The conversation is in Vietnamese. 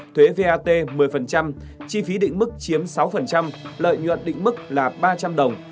thuế vat một mươi chi phí định mức chiếm sáu lợi nhuận định mức là ba trăm linh đồng